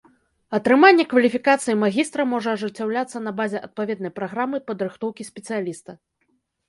Атрыманне кваліфікацыі магістра можа ажыццяўляцца на базе адпаведнай праграмы падрыхтоўкі спецыяліста.